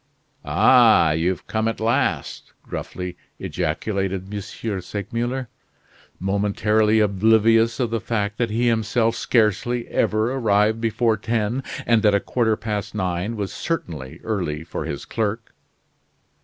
"Ah, you've come at last," gruffly ejaculated M. Segmuller, momentarily oblivious of the fact that he himself scarcely ever arrived before ten, and that a quarter past nine was certainly early for his clerk.